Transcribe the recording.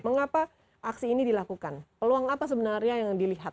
mengapa aksi ini dilakukan peluang apa sebenarnya yang dilihat